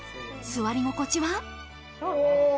座り心地は。